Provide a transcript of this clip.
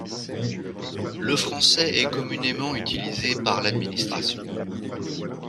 Le français est communément utilisé par l'administration.